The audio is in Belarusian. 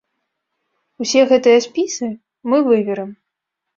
Усе гэтыя спісы мы выверым.